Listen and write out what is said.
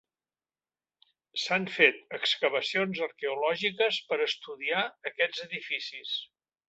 S'han fet excavacions arqueològiques per estudiar aquests edificis.